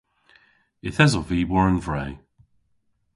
Yth esov vy war an vre.